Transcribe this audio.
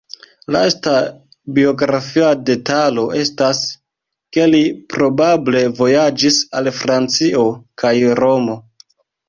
Lasta biografia detalo estas, ke li probable vojaĝis al Francio kaj Romo.